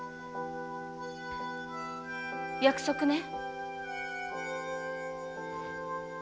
約束ね。